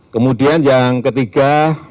kemudian yang ketiga